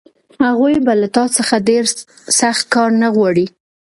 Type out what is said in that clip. هغوی به له تا څخه ډېر سخت کار نه غواړي